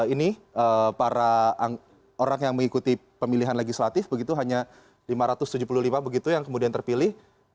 ini para orang yang mengikuti pemilihan legislatif begitu hanya lima ratus tujuh puluh lima begitu yang kemudian terpilih